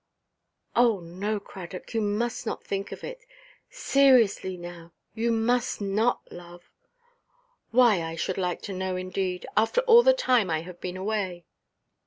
"Oh no, Cradock. You must not think of it. Seriously now, you must not, love." "Why? I should like to know, indeed! After all the time I have been away!"